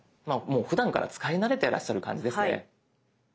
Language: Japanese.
もうふだんから使い慣れてらっしゃる感じですね。